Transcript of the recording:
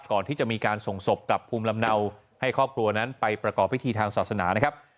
ก่อนที่จะมีการส่งศพกลับภูมิลำเนาให้ครอบครัวนั้นไปประกอบพิธีทางศาสนานะครับ